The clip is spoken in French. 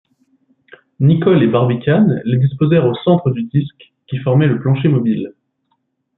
Nicholl et Barbicane les disposèrent au centre du disque qui formait le plancher mobile.